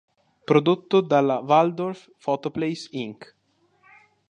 Prodotto dalla Waldorf Photoplays Inc.